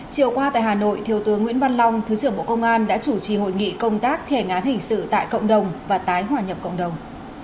chiều qua tại hà nội thiếu tướng nguyễn văn long thứ trưởng bộ công an đã chủ trì hội nghị công tác thi hành án hình sự tại cộng đồng và tái hòa nhập cộng đồng